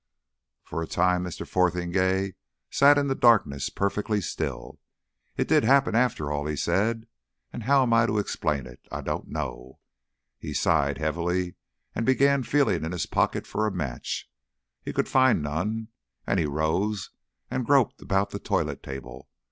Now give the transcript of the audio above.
For a time Mr. Fotheringay sat in the darkness, perfectly still. "It did happen, after all," he said. "And 'ow I'm to explain it I don't know." He sighed heavily, and began feeling in his pockets for a match. He could find none, and he rose and groped about the toilet table.